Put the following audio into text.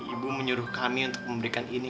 ibu menyuruh kami untuk memberikan ini